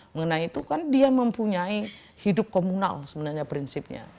mengenai itu kan dia mempunyai hidup komunal sebenarnya prinsipnya